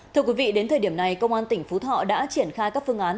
thưa quý vị đến thời điểm này công an tỉnh phú thọ đã triển khai các phương án